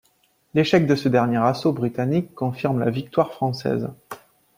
L'échec de ce dernier assaut britannique confirme la victoire française.